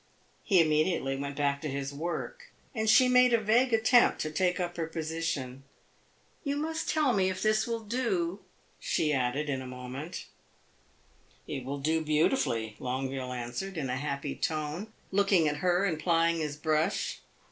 He immediately went back to his work, and she made a vague attempt to take up her position. "You must tell me if this will do," she added, in a moment. "It will do beautifully," Longueville answered, in a happy tone, looking at her and plying his brush.